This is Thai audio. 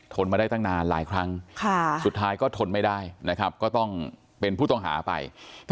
มาได้ตั้งนานหลายครั้งสุดท้ายก็ทนไม่ได้นะครับก็ต้องเป็นผู้ต้องหาไป